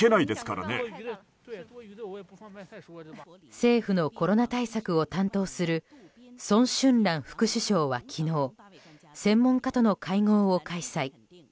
政府のコロナ対策を担当するソン・シュンラン副首相は昨日専門家との会合を開催。